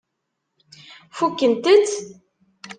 Fukkent-t?